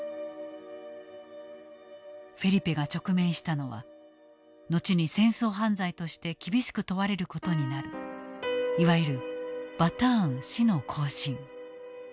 フェリペが直面したのは後に戦争犯罪として厳しく問われることになるいわゆるバターン死の行進。